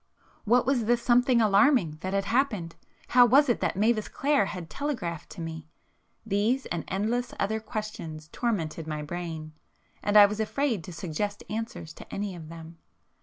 What was the 'something alarming' that had happened? How was it that Mavis Clare had telegraphed to me? These, and endless other questions tormented my brain,—and I was afraid to suggest answers to any of them.